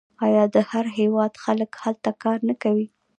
آیا د هر هیواد خلک هلته کار نه کوي؟